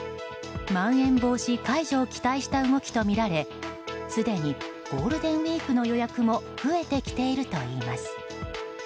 まん延防止解除を期待した動きとみられすでにゴールデンウィークの予約も増えてきているといいます。